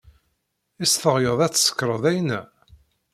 Is teɣyed ad tsekred ayenna?